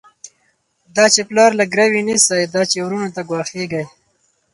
دا چی پلار له ګروی نيسی، دا چی وروڼو ته ګواښيږی